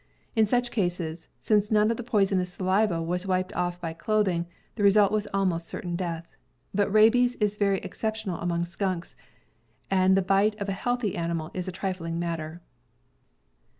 In such cases, since none of the poisonous saliva was wiped off by clothing, the result was almost certain death. But rabies is very exceptional among skunks, and the bite of a healthy animal is a trifling matter.